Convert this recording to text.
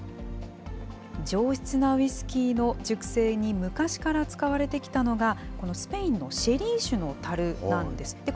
上質なウイスキーの熟成に昔から使われてきたのが、このスペインのシェリー酒のタルなんです。